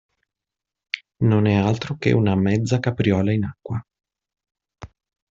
Non è altro che una mezza capriola in acqua.